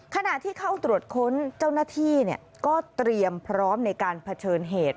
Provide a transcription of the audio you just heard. ขณะที่เข้าตรวจค้นเจ้าหน้าที่ก็เตรียมพร้อมในการเผชิญเหตุ